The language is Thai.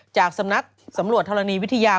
จากสำนักสำรวจธรณีวิทยา